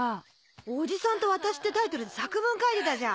『おじさんと私』ってタイトルで作文書いてたじゃん。